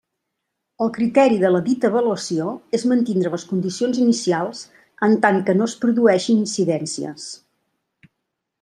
El criteri de la dita avaluació és mantindre les condicions inicials, en tant que no es produïxen incidències.